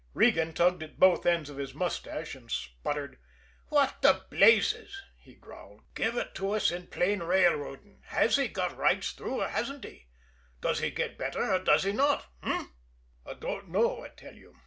Regan tugged at both ends of his mustache and sputtered. "What the blazes!" he growled. "Give it to us in plain railroading! Has he got rights through or hasn't he? Does he get better or does he not? H'm?" "I don't know, I tell you!"